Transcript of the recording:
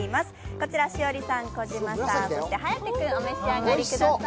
こちら栞里さん、児嶋さん、そして颯君、お召し上がりください。